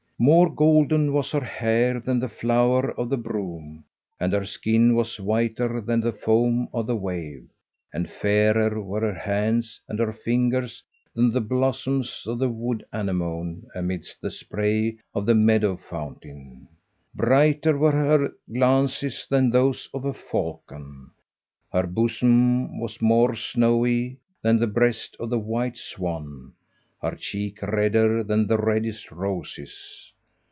More golden was her hair than the flower of the broom, and her skin was whiter than the foam of the wave, and fairer were her hands and her fingers than the blossoms of the wood anemone amidst the spray of the meadow fountain. Brighter were her glances than those of a falcon; her bosom was more snowy than the breast of the white swan, her cheek redder than the reddest roses.